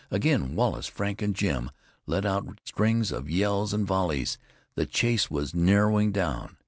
Again Wallace, Frank and Jim let out strings of yells and volleys. The chase was narrowing down.